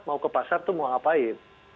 mau ke pasar itu mau ngapain